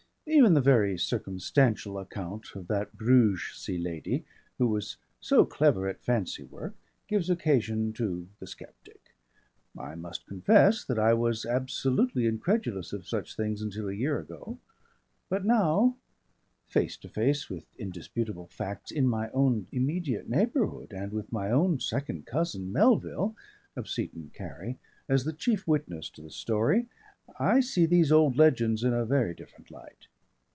Even the very circumstantial account of that Bruges Sea Lady, who was so clever at fancy work, gives occasion to the sceptic. I must confess that I was absolutely incredulous of such things until a year ago. But now, face to face with indisputable facts in my own immediate neighbourhood, and with my own second cousin Melville (of Seaton Carew) as the chief witness to the story, I see these old legends in a very different light.